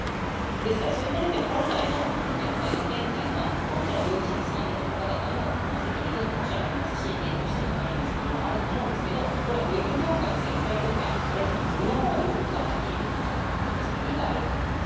ですから、そういった意味では、今回のこの虐待の件っていうのは、もちろん容疑者の３人の方々の責任というのももちろんありますし、園としての管理の責任もあると思うんですけど、これは保育業界全体とか、あるいは国のほうにも僕ははっきり言って責任があると思います。